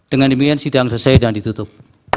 dengan demikian sidang selesai dan ditutup